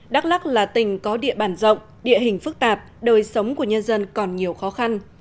đắk lắc là tỉnh có địa bàn rộng địa hình phức tạp đời sống của nhân dân còn nhiều khó khăn